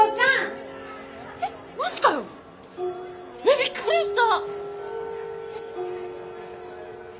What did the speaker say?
びっくりした！